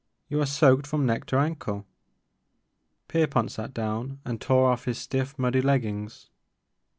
You are soaked from neck to ankle." Pierpont sat down and tore off his stiff muddy leggings.